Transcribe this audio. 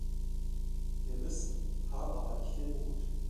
Wir müssen, haben aber nicht den Mut.